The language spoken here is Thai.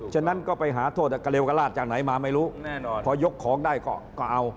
ฉะนั้นก็ไปหาโทษกระเลวกระลาดจากไหนมาไม่รู้พอยกของได้ก็เอา